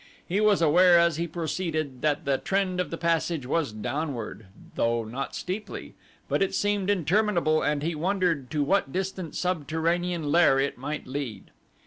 He was aware as he proceeded that the trend of the passage was downward, though not steeply, but it seemed interminable and he wondered to what distant subterranean lair it might lead.